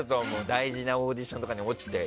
大事なオーディションとか落ちて。